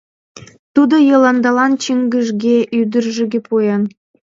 Тудо Йыландалан чинчыжге, ӱдыржыге пуэн.